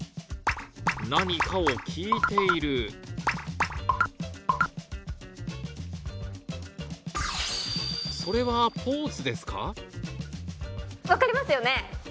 何かを聞いているそれはポーズですか？